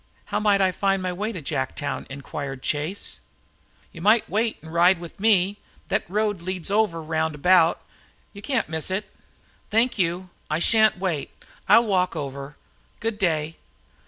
"How might I find my way to Jacktown?" Inquired Chase. "You might wait an' ride with me. Thet road leads over, round about. You can't miss it." "Thank you, I shan't wait. I'll walk over. Good day."